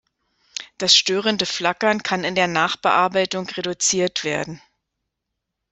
Das störende Flackern kann in der Nachbearbeitung reduziert werden.